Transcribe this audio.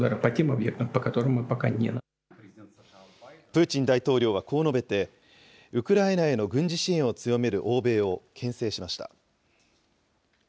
プーチン大統領はこう述べて、ウクライナへの軍事支援を強める欧米をけん制しました。